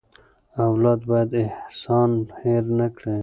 اولاد باید احسان هېر نه کړي.